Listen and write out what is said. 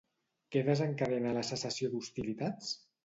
Què desencadena la cessació d'hostilitats?